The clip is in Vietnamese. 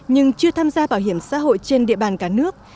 nhưng chưa tham gia bảo hiểm xã hội trên địa bàn cả nước